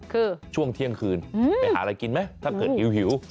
คือช่วงเที่ยงคืนไปหาอะไรกินไหมถ้าเกิดหิว